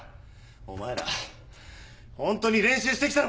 お前らホントに練習してきたのか！？